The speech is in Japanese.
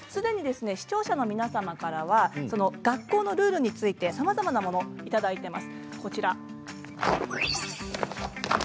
視聴者の皆様からは学校のルールについてさまざまな声をいただいています。